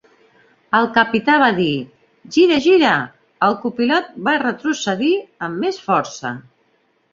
El Capità va dir "gira, gira"; el copilot va retrocedir amb més força.